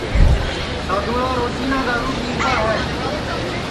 سادؔوݪا تو روجینا دؔارو پِیوتا ہے